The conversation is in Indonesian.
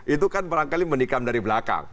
itu kan barangkali menikam dari belakang